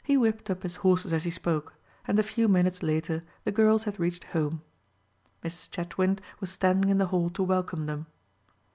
He whipped up his horses as he spoke, and a few minutes later the girls had reached home. Mrs. Chetwynd was standing in the hall to welcome them.